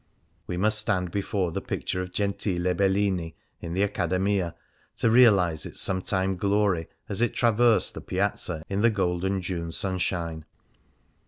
We must stand before the picture of Gentile Bellini in the Accademia to realize its sometime glory as it traversed the Piazza in the golden June sunshine.